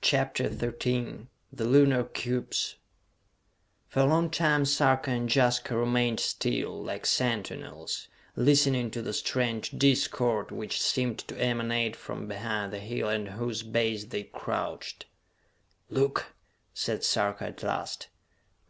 CHAPTER XIII The Lunar Cubes For a long time Sarka and Jaska remained still, like sentinels, listening to the strange discord which seemed to emanate from behind the hill at whose base they crouched. "Look!" said Sarka at last.